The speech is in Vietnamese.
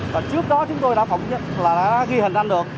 và trước đó chúng tôi đã ghi hình anh được